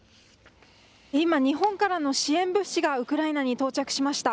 今、日本からの支援物資がウクライナに到着しました。